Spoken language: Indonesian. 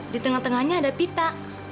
di tengah tengahnya ada pita